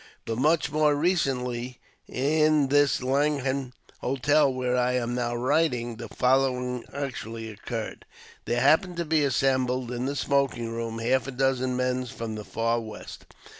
But much more recently, in this Langham Hotel where I am now writing, the following actually occurred :— There happened to be assembled in the smoking room half a dozen men from the Far West.